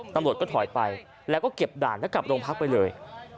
ตำรวจก็ถอยไปแล้วก็เก็บด่านแล้วกลับโรงพักไปเลย